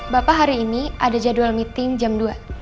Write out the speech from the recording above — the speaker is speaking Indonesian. bapak hari ini ada jadwal meeting jam dua